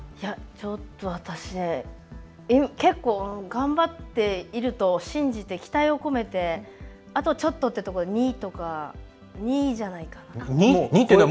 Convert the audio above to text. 私、結構頑張っていると信じて、期待を込めてあとちょっとというぐらいで２じゃないかな？